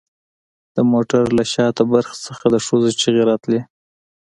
د موټر له شاته برخې څخه د ښځو چیغې راتلې